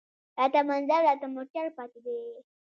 راته منزل راته مورچل پاتي دی